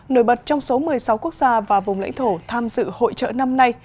nổi bật trong số một mươi sáu quốc gia và vùng lãnh thổ tham dự hội trợ năm nay